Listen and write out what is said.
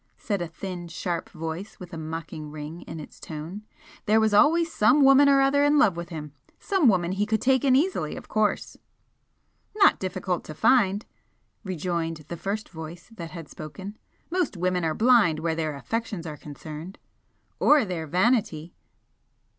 said a thin, sharp voice with a mocking ring in its tone "There was always some woman or other in love with him. Some woman he could take in easily, of course!" "Not difficult to find!" rejoined the first voice that had spoken, "Most women are blind where their affections are concerned." "Or their vanity!"